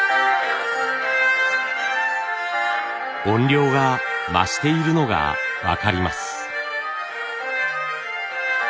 音量が増しているのが分かります。